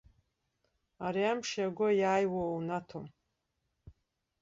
Ари амш иаго иааиуа иунаҭом.